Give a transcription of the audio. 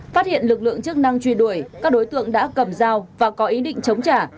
phát hiện lực lượng chức năng truy đuổi các đối tượng đã cầm dao và có ý định chống trả